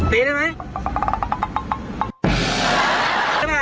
ตีได้ไหม